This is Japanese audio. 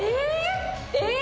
えっ！？